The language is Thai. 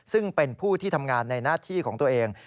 ซึ่งเป็นผู้ที่ทำงานในหน้าที่ของตัวเอง